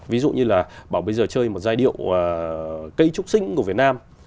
ví dụ như là bảo bây giờ chơi một giai điệu cây trúc sinh của việt nam